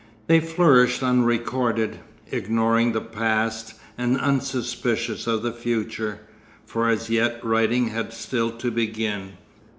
They flourished unrecorded, ignoring the past and unsuspicious of the future, for as yet writing had still to begin.